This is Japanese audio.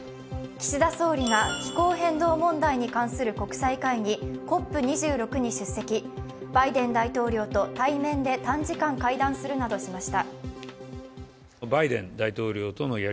岸田総理が気候変動問題に関する国際会議、ＣＯＰ２６に出席のためバイデン大統領と対面で短時間、会談するなどしました。